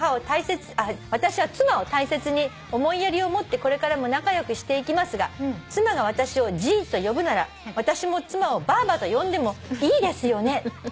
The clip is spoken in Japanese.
「私は妻を大切に思いやりを持ってこれからも仲良くしていきますが妻が私をじいじと呼ぶなら私も妻をばあばと呼んでもいいですよね？」